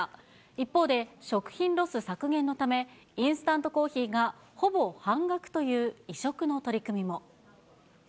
一方で、食品ロス削減のため、インスタントコーヒーがほぼ半額という異色の取り組みも。